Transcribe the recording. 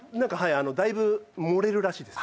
だいぶ盛れるらしいです。